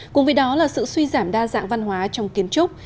cùng với đó là sự suy giảm đa dạng văn hóa trong kiến trúc